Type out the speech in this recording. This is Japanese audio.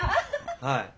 はい。